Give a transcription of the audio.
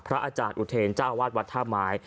อาจารย์อุเทรเจ้าอาวาสวัดท่าไม้